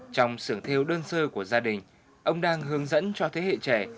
trong sưởng thiêu đơn sơ của gia đình ông đang hướng dẫn cho thế hệ trẻ